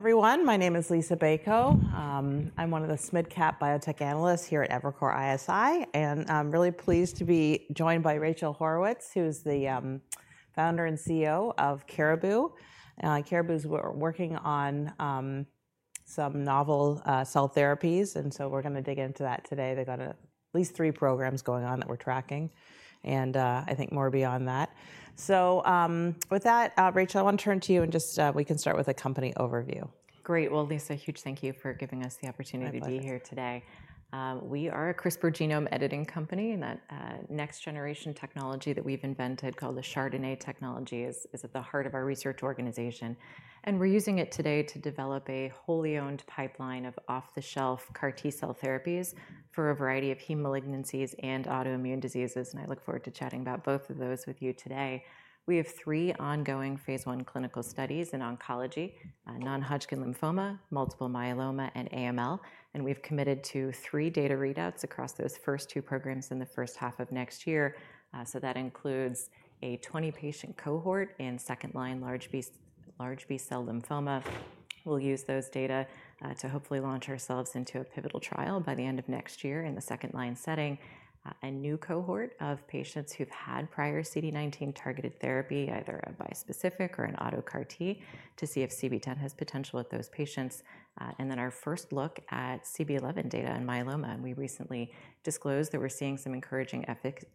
Everyone, my name is Liisa Bayko. I'm one of the SMID Cap biotech analysts here at Evercore ISI, and I'm really pleased to be joined by Rachel Haurwitz, who is the founder and CEO of Caribou. Caribou is working on some novel cell therapies, and so we're going to dig into that today. They've got at least three programs going on that we're tracking, and I think more beyond that. So with that, Rachel, I want to turn to you, and just we can start with a company overview. Great. Well, Liisa, huge thank you for giving us the opportunity to be here today. We are a CRISPR genome editing company, and that next-generation technology that we've invented called the chRDNA technology is at the heart of our research organization. And we're using it today to develop a wholly owned pipeline of off-the-shelf CAR-T cell therapies for a variety of heme malignancies and autoimmune diseases, and I look forward to chatting about both of those with you today. We have three ongoing phase I clinical studies in oncology: non-Hodgkin lymphoma, multiple myeloma, and AML, and we've committed to three data readouts across those first two programs in the first half of next year. So that includes a 20-patient cohort in second-line large B-cell lymphoma. We'll use those data to hopefully launch ourselves into a pivotal trial by the end of next year in the second-line setting: a new cohort of patients who've had prior CD19 targeted therapy, either a bispecific or an auto CAR-T, to see if CB-010 has potential with those patients, and then our first look at CB-011 data and myeloma, and we recently disclosed that we're seeing some encouraging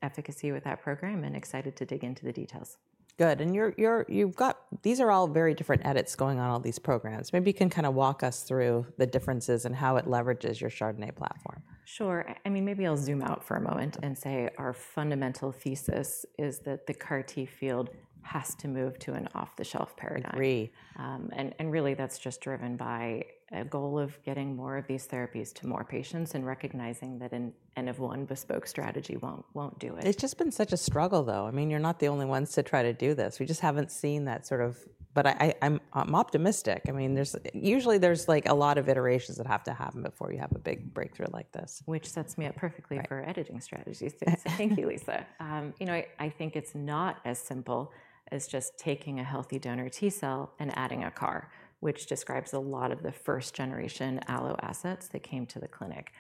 efficacy with that program, and excited to dig into the details. Good. And you've got these are all very different edits going on all these programs. Maybe you can kind of walk us through the differences and how it leverages your chRDNA platform. Sure. I mean, maybe I'll zoom out for a moment and say our fundamental thesis is that the CAR-T cell therapy field has to move to an off-the-shelf paradigm. Agree. And really, that's just driven by a goal of getting more of these therapies to more patients and recognizing that an N-of-1 bespoke strategy won't do it. It's just been such a struggle, though. I mean, you're not the only ones to try to do this. We just haven't seen that sort of... but I'm optimistic. I mean, usually there's like a lot of iterations that have to happen before you have a big breakthrough like this. Which sets me up perfectly for editing strategies. Thank you, Liisa. You know, I think it's not as simple as just taking a healthy donor T cell and adding a CAR, which describes a lot of the first-generation allo assets that came to the clinic.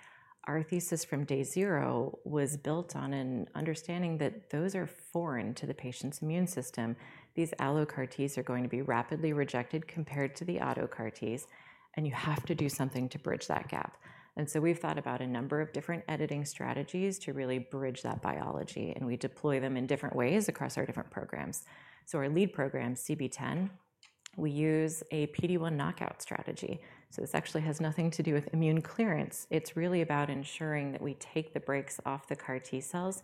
Our thesis from day zero was built on an understanding that those are foreign to the patient's immune system. These allo CAR-T cell therapies are going to be rapidly rejected compared to the auto CAR-T cell therapies, and you have to do something to bridge that gap. And so we've thought about a number of different editing strategies to really bridge that biology, and we deploy them in different ways across our different programs. So our lead program, CB-010, we use a PD-1 knockout strategy. So this actually has nothing to do with immune clearance. It's really about ensuring that we take the breaks off the CAR-T cells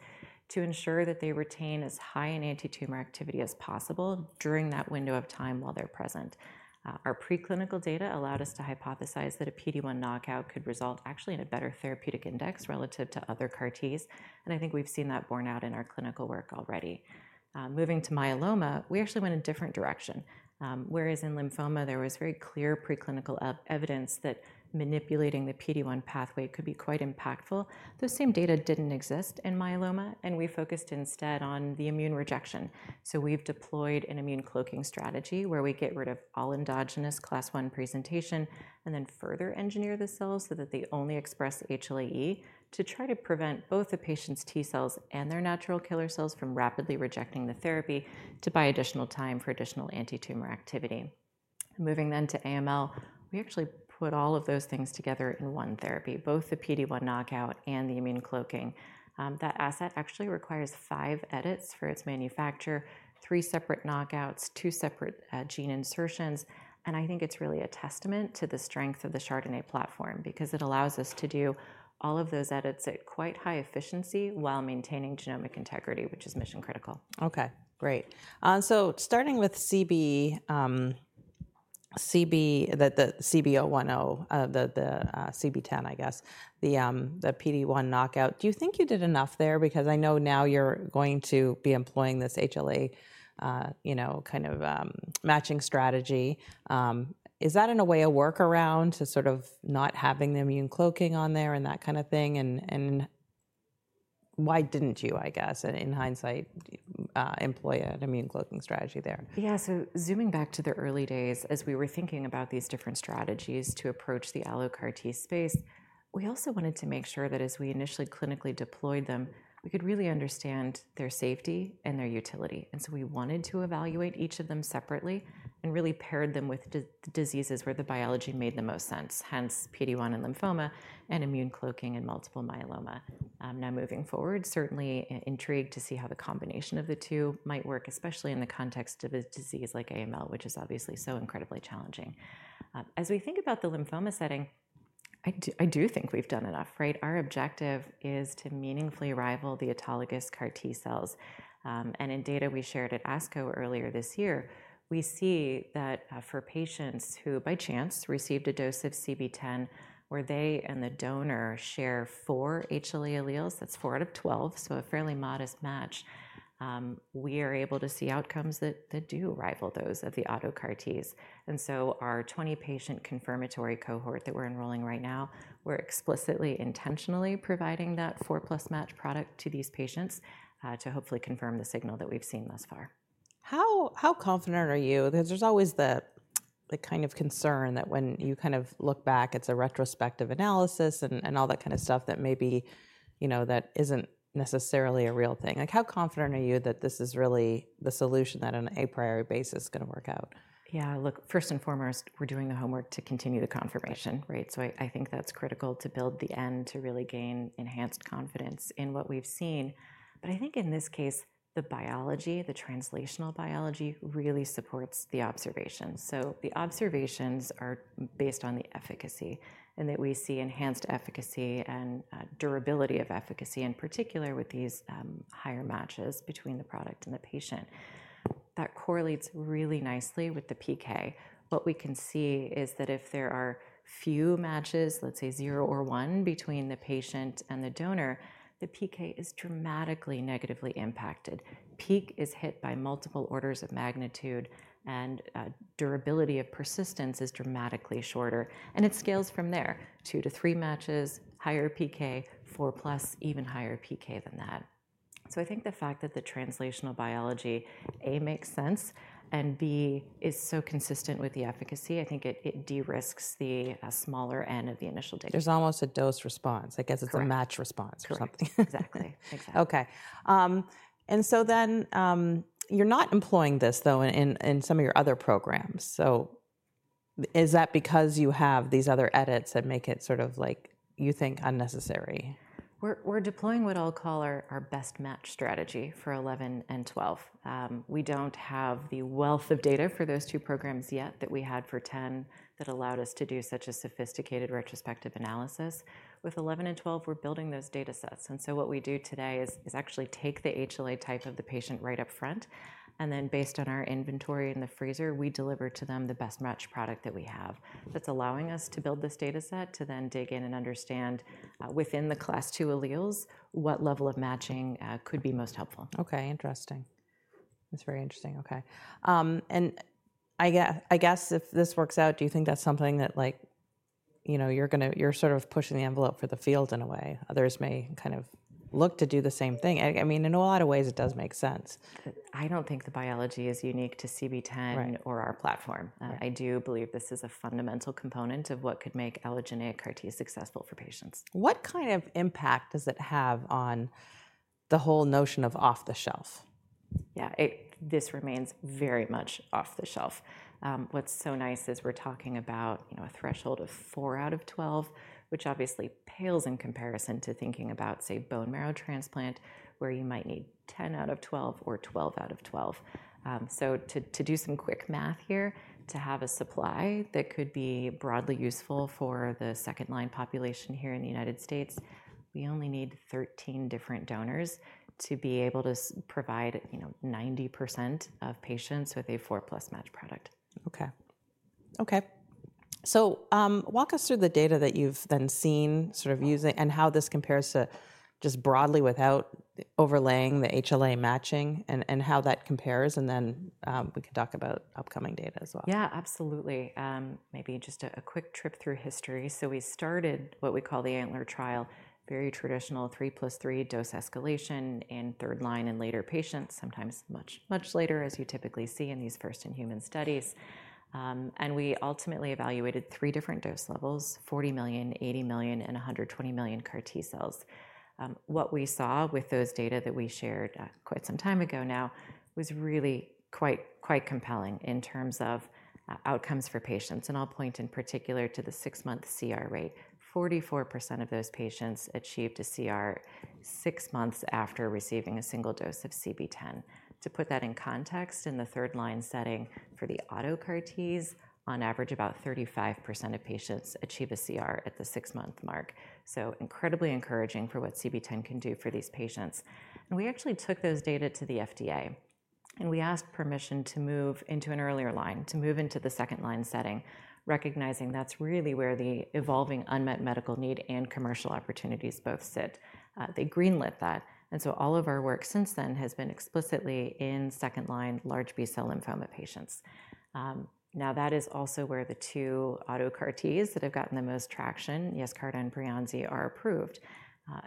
to ensure that they retain as high an anti-tumor activity as possible during that window of time while they're present. Our preclinical data allowed us to hypothesize that a PD-1 knockout could result actually in a better therapeutic index relative to other CAR-T cell therapies, and I think we've seen that borne out in our clinical work already. Moving to myeloma, we actually went in a different direction. Whereas in lymphoma, there was very clear preclinical evidence that manipulating the PD-1 pathway could be quite impactful, those same data didn't exist in myeloma, and we focused instead on the immune rejection. We've deployed an immune cloaking strategy where we get rid of all endogenous Class I presentation and then further engineer the cells so that they only express HLA-E to try to prevent both the patient's T cells and their natural killer cells from rapidly rejecting the therapy to buy additional time for additional anti-tumor activity. Moving then to AML, we actually put all of those things together in one therapy, both the PD-1 knockout and the immune cloaking. That asset actually requires five edits for its manufacture, three separate knockouts, two separate gene insertions, and I think it's really a testament to the strength of the chRDNA platform because it allows us to do all of those edits at quite high efficiency while maintaining genomic integrity, which is mission critical. Okay, great. So starting with CB-010, the CB-010, I guess, the PD-1 knockout, do you think you did enough there? Because I know now you're going to be employing this HLA-E kind of matching strategy. Is that in a way a workaround to sort of not having the immune cloaking on there and that kind of thing? And why didn't you, I guess, in hindsight, employ an immune cloaking strategy there? Yeah, so zooming back to the early days, as we were thinking about these different strategies to approach the allo CAR-T space, we also wanted to make sure that as we initially clinically deployed them, we could really understand their safety and their utility. And so we wanted to evaluate each of them separately and really paired them with diseases where the biology made the most sense, hence PD-1 in lymphoma and immune cloaking in multiple myeloma. Now moving forward, certainly intrigued to see how the combination of the two might work, especially in the context of a disease like AML, which is obviously so incredibly challenging. As we think about the lymphoma setting, I do think we've done enough, right? Our objective is to meaningfully rival the autologous CAR-T cells. In data we shared at ASCO earlier this year, we see that for patients who by chance received a dose of CB-010, where they and the donor share four HLA alleles, that's four out of 12, so a fairly modest match, we are able to see outcomes that do rival those of the auto CAR-T cell therapies. Our 20-patient confirmatory cohort that we're enrolling right now, we're explicitly intentionally providing that four-plus match product to these patients to hopefully confirm the signal that we've seen thus far. How confident are you? Because there's always the kind of concern that when you kind of look back, it's a retrospective analysis and all that kind of stuff that maybe that isn't necessarily a real thing. Like, how confident are you that this is really the solution that on an a priori basis is going to work out? Yeah, look, first and foremost, we're doing the homework to continue the confirmation, right? So I think that's critical to build the N to really gain enhanced confidence in what we've seen. But I think in this case, the biology, the translational biology really supports the observations. So the observations are based on the efficacy and that we see enhanced efficacy and durability of efficacy, in particular with these higher matches between the product and the patient. That correlates really nicely with the PK. What we can see is that if there are few matches, let's say zero or one, between the patient and the donor, the PK is dramatically negatively impacted. Peak is hit by multiple orders of magnitude, and durability of persistence is dramatically shorter. And it scales from there: two to three matches, higher PK, four-plus, even higher PK than that. So I think the fact that the translational biology, A, makes sense, and B, is so consistent with the efficacy, I think it de-risks the smaller end of the initial data. There's almost a dose response. I guess it's a match response or something. Exactly. Exactly. Okay. And so then you're not employing this, though, in some of your other programs. So is that because you have these other edits that make it sort of like, you think, unnecessary? We're deploying what I'll call our best match strategy for 11 and 12. We don't have the wealth of data for those two programs yet that we had for 10 that allowed us to do such a sophisticated retrospective analysis. With 11 and 12, we're building those data sets. And so what we do today is actually take the HLA type of the patient right up front, and then based on our inventory in the freezer, we deliver to them the best match product that we have that's allowing us to build this data set to then dig in and understand within the Class II alleles what level of matching could be most helpful. Okay, interesting. That's very interesting. Okay. And I guess if this works out, do you think that's something that you're sort of pushing the envelope for the field in a way? Others may kind of look to do the same thing. I mean, in a lot of ways, it does make sense. I don't think the biology is unique to CB-010 or our platform. I do believe this is a fundamental component of what could make Allogeneic CAR-T cell therapy successful for patients. What kind of impact does it have on the whole notion of off-the-shelf? Yeah, this remains very much off-the-shelf. What's so nice is we're talking about a threshold of four out of 12, which obviously pales in comparison to thinking about, say, bone marrow transplant, where you might need 10 out of 12 or 12 out of 12. So to do some quick math here, to have a supply that could be broadly useful for the second-line population here in the United States, we only need 13 different donors to be able to provide 90% of patients with a four-plus match product. Okay, okay. So walk us through the data that you've then seen sort of using and how this compares to just broadly without overlaying the HLA matching and how that compares, and then we can talk about upcoming data as well. Yeah, absolutely. Maybe just a quick trip through history. So we started what we call the ANTLER trial, very traditional three-plus-three dose escalation in third-line and later patients, sometimes much, much later, as you typically see in these first-in-human studies. And we ultimately evaluated three different dose levels: 40 million, 80 million, and 120 million CAR-T cells. What we saw with those data that we shared quite some time ago now was really quite compelling in terms of outcomes for patients. And I'll point in particular to the six-month CR rate. 44% of those patients achieved a CR six months after receiving a single dose of CB-010. To put that in context, in the third-line setting for the auto CAR-T cell therapies, on average, about 35% of patients achieve a CR at the six-month mark. So incredibly encouraging for what CB-010 can do for these patients. We actually took those data to the FDA, and we asked permission to move into an earlier line, to move into the second-line setting, recognizing that's really where the evolving unmet medical need and commercial opportunities both sit. They greenlit that. So all of our work since then has been explicitly in second-line large B-cell lymphoma patients. Now, that is also where the two auto CAR-T cell therapies that have gotten the most traction, Yescarta and Breyanzi, are approved.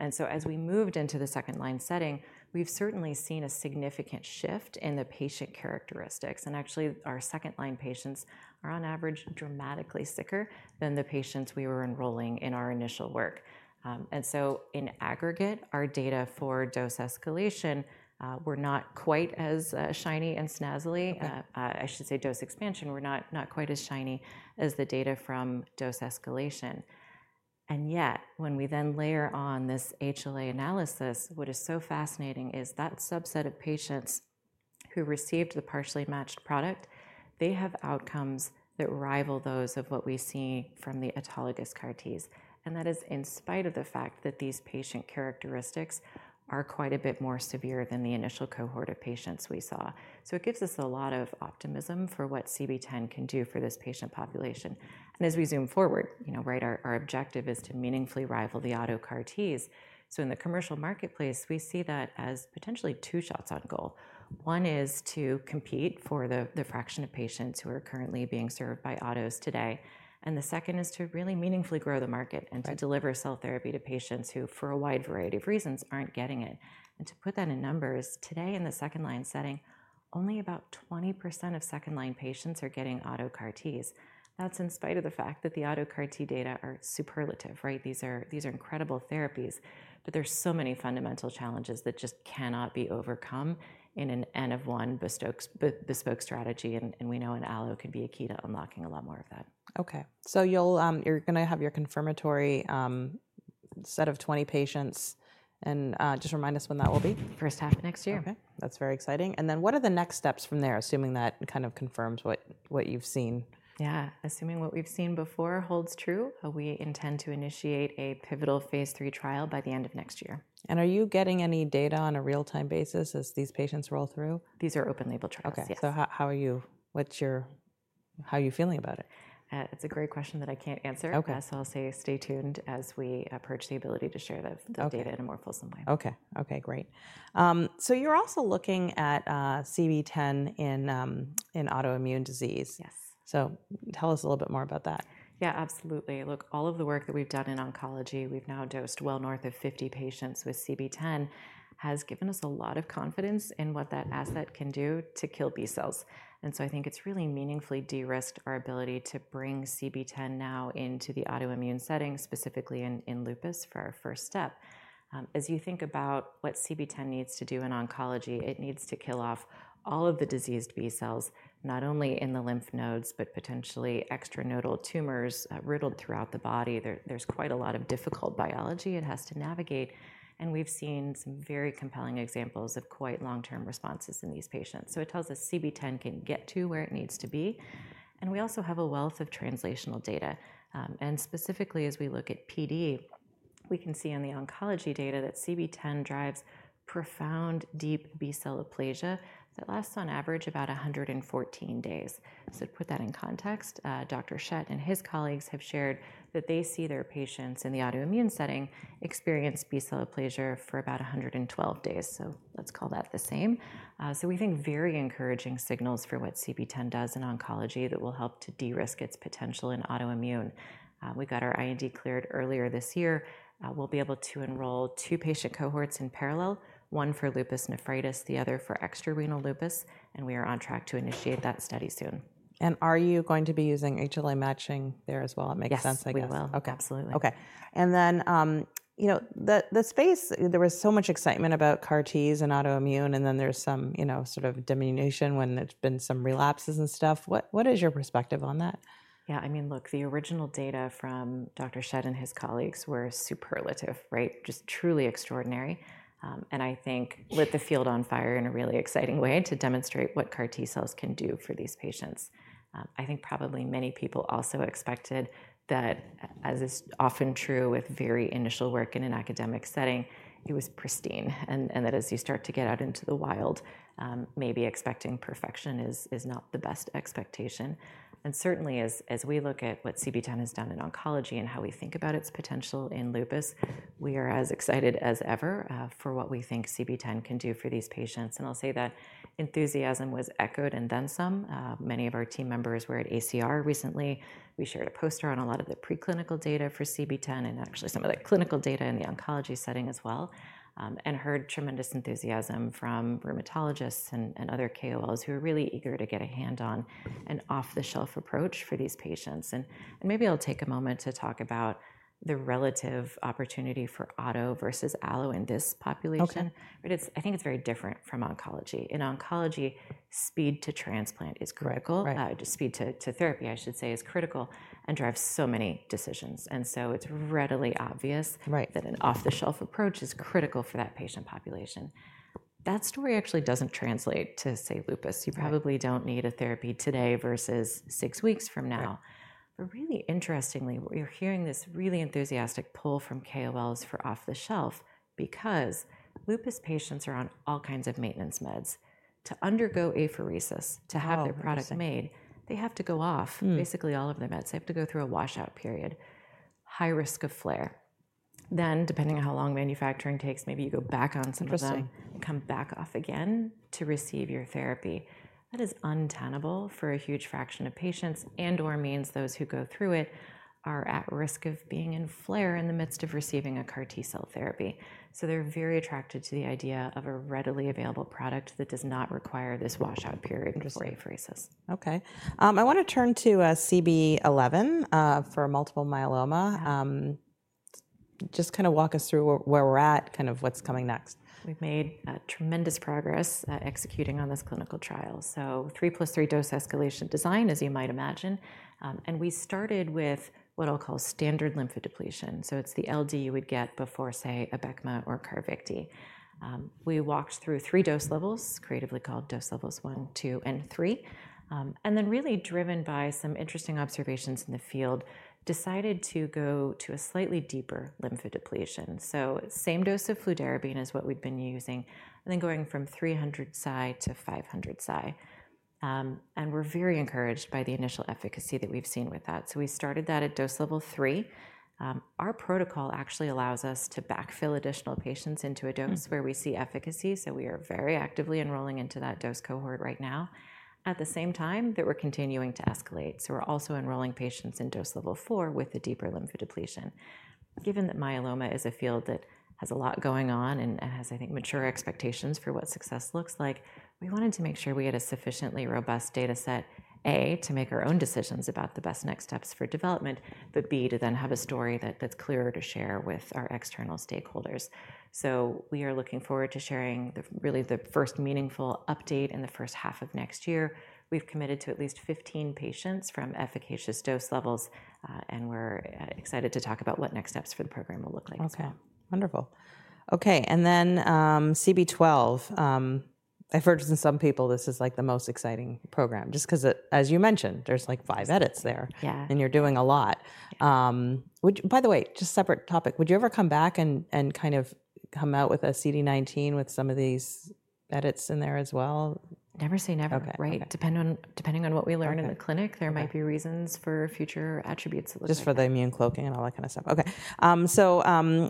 As we moved into the second-line setting, we've certainly seen a significant shift in the patient characteristics. Actually, our second-line patients are on average dramatically sicker than the patients we were enrolling in our initial work. In aggregate, our data for dose escalation were not quite as shiny and snazzy. I should say dose expansion were not quite as shiny as the data from dose escalation, and yet, when we then layer on this HLA analysis, what is so fascinating is that subset of patients who received the partially matched product, they have outcomes that rival those of what we see from the autologous CAR-T cell therapies, and that is in spite of the fact that these patient characteristics are quite a bit more severe than the initial cohort of patients we saw, so it gives us a lot of optimism for what CB-010 can do for this patient population, and as we zoom forward, our objective is to meaningfully rival the auto CAR-T cell therapies, so in the commercial marketplace, we see that as potentially two shots on goal. One is to compete for the fraction of patients who are currently being served by autos today. And the second is to really meaningfully grow the market and to deliver cell therapy to patients who, for a wide variety of reasons, aren't getting it. And to put that in numbers, today in the second-line setting, only about 20% of second-line patients are getting auto CAR-T cell therapies. That's in spite of the fact that the auto CAR-T cell therapy data are superlative, right? These are incredible therapies, but there's so many fundamental challenges that just cannot be overcome in an N-of-one bespoke strategy. And we know an allo can be a key to unlocking a lot more of that. Okay. So you're going to have your confirmatory set of 20 patients. And just remind us when that will be? First half of next year. Okay. That's very exciting. And then what are the next steps from there, assuming that kind of confirms what you've seen? Yeah, assuming what we've seen before holds true, we intend to initiate a pivotal phase three trial by the end of next year. Are you getting any data on a real-time basis as these patients roll through? These are open-label trials. Okay. So how are you? How are you feeling about it? It's a great question that I can't answer. So I'll say stay tuned as we approach the ability to share the data in a more fulsome way. Okay. Okay, great. So you're also looking at CB-010 in autoimmune disease. Yes. Tell us a little bit more about that. Yeah, absolutely. Look, all of the work that we've done in oncology, we've now dosed well north of 50 patients with CB-010, has given us a lot of confidence in what that asset can do to kill B-cells. And so I think it's really meaningfully de-risked our ability to bring CB-010 now into the autoimmune setting, specifically in lupus for our first step. As you think about what CB-010 needs to do in oncology, it needs to kill off all of the diseased B-cells, not only in the lymph nodes, but potentially extranodal tumors riddled throughout the body. There's quite a lot of difficult biology it has to navigate. And we've seen some very compelling examples of quite long-term responses in these patients. So it tells us CB-010 can get to where it needs to be. And we also have a wealth of translational data. And specifically, as we look at PD, we can see in the oncology data that CB-010 drives profound deep B-cell aplasia that lasts on average about 114 days. So to put that in context, Dr. Schett and his colleagues have shared that they see their patients in the autoimmune setting experience B-cell aplasia for about 112 days. So let's call that the same. So we think very encouraging signals for what CB-010 does in oncology that will help to de-risk its potential in autoimmune. We got our IND cleared earlier this year. We'll be able to enroll two patient cohorts in parallel, one for lupus nephritis, the other for extrarenal lupus. And we are on track to initiate that study soon. Are you going to be using HLA matching there as well? It makes sense, I guess. Yes, we will. Absolutely. Okay. And then the space, there was so much excitement about CAR-T cell therapies and autoimmune, and then there's some sort of diminution when there's been some relapses and stuff. What is your perspective on that? Yeah, I mean, look, the original data from Dr. Schett and his colleagues were superlative, right? Just truly extraordinary, and I think lit the field on fire in a really exciting way to demonstrate what CAR-T cells can do for these patients. I think probably many people also expected that, as is often true with very initial work in an academic setting, it was pristine, and that as you start to get out into the wild, maybe expecting perfection is not the best expectation, and certainly, as we look at what CB-010 has done in oncology and how we think about its potential in lupus, we are as excited as ever for what we think CB-010 can do for these patients, and I'll say that enthusiasm was echoed and then some. Many of our team members were at ACR recently. We shared a poster on a lot of the preclinical data for CB-010 and actually some of the clinical data in the oncology setting as well and heard tremendous enthusiasm from rheumatologists and other KOLs who are really eager to get a hand on an off-the-shelf approach for these patients. And maybe I'll take a moment to talk about the relative opportunity for auto versus allo in this population. I think it's very different from oncology. In oncology, speed to transplant is critical. Speed to therapy, I should say, is critical and drives so many decisions. And so it's readily obvious that an off-the-shelf approach is critical for that patient population. That story actually doesn't translate to, say, lupus. You probably don't need a therapy today versus six weeks from now. But really interestingly, we're hearing this really enthusiastic pull from KOLs for off-the-shelf because lupus patients are on all kinds of maintenance meds. To undergo apheresis, to have their product made, they have to go off basically all of their meds. They have to go through a washout period, high risk of flare. Then, depending on how long manufacturing takes, maybe you go back on some of them and come back off again to receive your therapy. That is untenable for a huge fraction of patients and/or means those who go through it are at risk of being in flare in the midst of receiving a CAR-T cell therapy. So they're very attracted to the idea of a readily available product that does not require this washout period for apheresis. Okay. I want to turn to CB-011 for multiple myeloma. Just kind of walk us through where we're at, kind of what's coming next. We've made tremendous progress executing on this clinical trial, so 3 + 3 dose escalation design, as you might imagine, and we started with what I'll call standard lymphodepletion, so it's the LD you would get before, say, Abecma or Carvykti. We walked through three dose levels, creatively called dose levels one, two, and three, and then really driven by some interesting observations in the field, decided to go to a slightly deeper lymphodepletion, so same dose of fludarabine as what we've been using, and then going from 300 Cy-500 Cy, and we're very encouraged by the initial efficacy that we've seen with that, so we started that at dose level three. Our protocol actually allows us to backfill additional patients into a dose where we see efficacy, so we are very actively enrolling into that dose cohort right now, at the same time that we're continuing to escalate. So we're also enrolling patients in dose level four with a deeper lymphodepletion. Given that myeloma is a field that has a lot going on and has, I think, mature expectations for what success looks like, we wanted to make sure we had a sufficiently robust data set, A, to make our own decisions about the best next steps for development, but B, to then have a story that's clearer to share with our external stakeholders. So we are looking forward to sharing really the first meaningful update in the first half of next year. We've committed to at least 15 patients from efficacious dose levels, and we're excited to talk about what next steps for the program will look like. Okay. Wonderful. Okay. And then CB-012, I've heard from some people this is like the most exciting program just because, as you mentioned, there's like five edits there. Yeah. You're doing a lot. By the way, just a separate topic, would you ever come back and kind of come out with a CD-19 with some of these edits in there as well? Never say never. Right. Depending on what we learn in the clinic, there might be reasons for future attributes that look like. Just for the immune cloaking and all that kind of stuff. Okay. So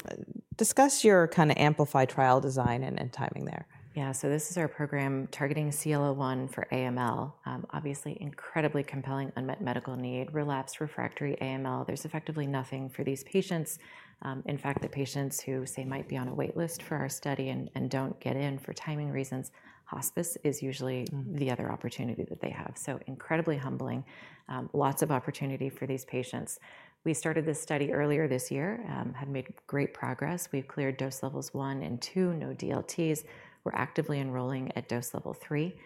discuss your kind of AMpLify trial design and timing there. Yeah, so this is our program targeting CLL-1 for AML. Obviously, incredibly compelling unmet medical need, relapsed refractory AML. There's effectively nothing for these patients. In fact, the patients who, say, might be on a waitlist for our study and don't get in for timing reasons, hospice is usually the other opportunity that they have, so incredibly humbling, lots of opportunity for these patients. We started this study earlier this year, have made great progress. We've cleared dose levels one and two, no DLTs. We're actively enrolling at dose level three,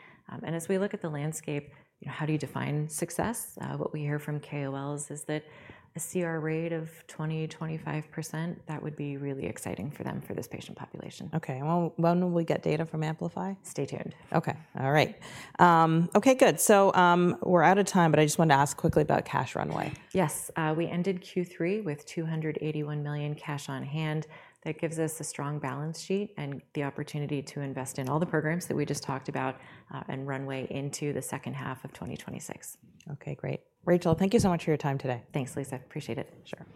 and as we look at the landscape, how do you define success? What we hear from KOLs is that a CR rate of 20%, 25%, that would be really exciting for them for this patient population. Okay. When will we get data from AMpLify? Stay tuned. Okay. All right. Okay, good. So we're out of time, but I just wanted to ask quickly about cash runway. Yes. We ended Q3 with $281 million cash on hand. That gives us a strong balance sheet and the opportunity to invest in all the programs that we just talked about and runway into the second half of 2026. Okay, great. Rachel, thank you so much for your time today. Thanks, Liisa. Appreciate it. Sure.